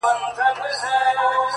o خو دا لمر بيا په زوال د چا د ياد ؛